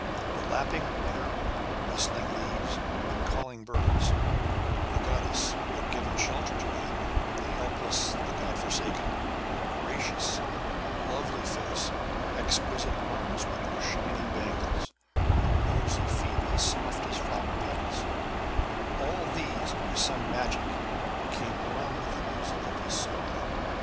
The lapping water, rustling leaves, and calling birds; the goddess who had given shelter to him, the helpless, the Godforsaken; her gracious, lovely face, her exquisite arms with their shining bangles, her rosy feet as soft as flower petals; all these by some magic became one with the music of his song.